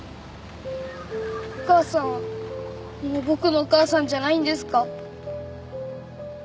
お母さんはもう僕のお母さんじゃないんですか？